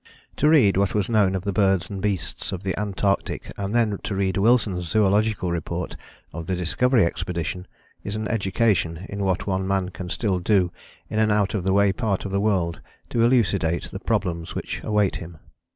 To read what was known of the birds and beasts of the Antarctic and then to read Wilson's Zoological Report of the Discovery Expedition is an education in what one man can still do in an out of the way part of the world to elucidate the problems which await him.